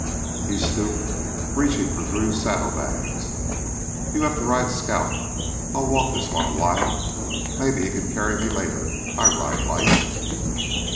He stooped, reaching for Drew's saddlebags. "You have to ride scout. I'll walk this one a while. Maybe he can carry me later. I ride light."